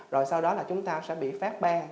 rồi sau đó là chúng ta sẽ bị phát ban